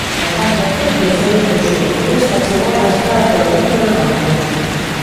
Normalmente proceden do sur, pero esta chegou arrastrada polo vento do norte.